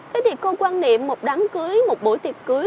thế thì cô quan niệm một đám cưới một buổi tiệc cưới